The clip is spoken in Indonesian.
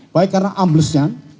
baik karena amblesnya